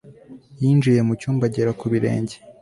Yinjiye mu cyumba agera ku birenge